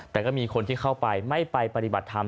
แต่ก็มีคนที่เข้าไปไม่ไปปฏิบัติธรรม